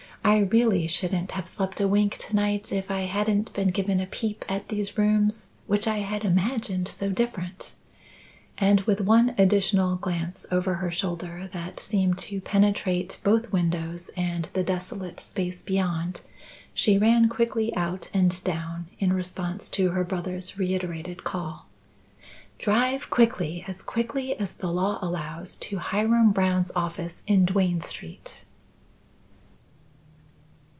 I really shouldn't have slept a wink to night, if I hadn't been given a peep at these rooms, which I had imagined so different." And with one additional glance over her shoulder, that seemed to penetrate both windows and the desolate space beyond, she ran quickly out and down in response to her brother's reiterated call. "Drive quickly! as quickly as the law allows, to Hiram Brown's office in Duane Street."